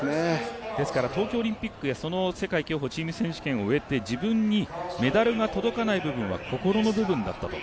ですから東京オリンピックや、世界競歩チーム選手権を終えて自分にメダルが届かない部分は心の部分だったと。